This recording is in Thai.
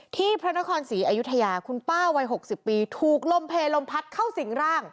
พระนครศรีอยุธยาคุณป้าวัย๖๐ปีถูกลมเพลลมพัดเข้าสิ่งร่าง